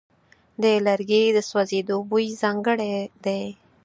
د لرګي د سوځېدو بوی ځانګړی دی.